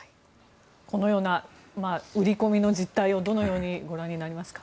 このような売り込みの実態をどのようにご覧になりますか。